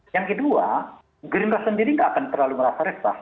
yang kedua gerindra sendiri nggak akan terlalu merasa resah